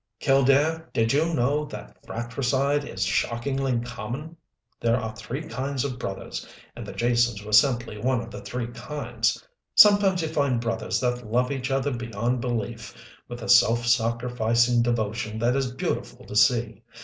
Killdare, did you know that fratricide is shockingly common? There are three kinds of brothers, and the Jasons were simply one of the three kinds. Sometimes you find brothers that love each other beyond belief, with a self sacrificing devotion that is beautiful to see.